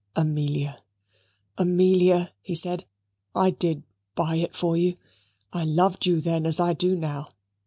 "Amelia, Amelia," he said, "I did buy it for you. I loved you then as I do now.